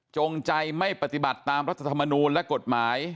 จงใจไม่ปฏิบัติตามรัฐธรรมนูลและกฎหมาย